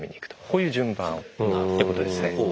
こういう順番ってことですね。